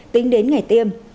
tính đến ngày tiêm